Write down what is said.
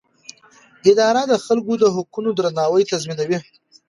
اداره د خلکو د حقونو درناوی تضمینوي.